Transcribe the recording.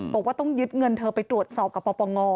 บอกว่าต้องยึดเงินเธอไปตรวจสอบกับปปง